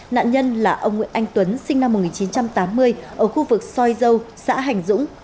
nạn nhân là ông nguyễn anh tuấn sinh năm một nghìn chín trăm tám mươi ở khu vực xoay dâu xã hành dũng